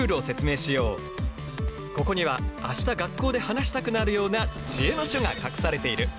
ここには明日学校で話したくなるような知恵の書が隠されている。